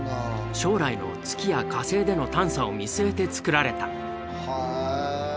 将来の月や火星での探査を見据えて造られた。